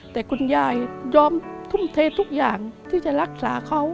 แต่คุณยายยอมทุ่มเททุกอย่างที่จะรักษาเขา